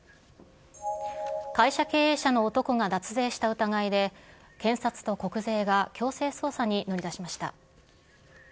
会社経営者の男が脱税した疑いで、検察と国税が強制捜査に乗り出しました。